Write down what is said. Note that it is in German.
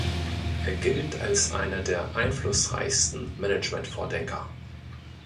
Er gilt als einer der einflussreichsten Management-Vordenker.